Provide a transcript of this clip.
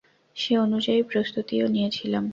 সে অনুযায়ী প্রস্তুতিও নিয়েছিলাম।